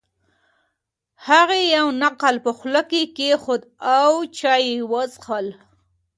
هغې یو نقل په خوله کې کېښود او چای یې وڅښل.